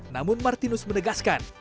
namun martinus menegaskan